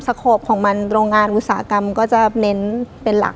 โคปของมันโรงงานอุตสาหกรรมก็จะเน้นเป็นหลัก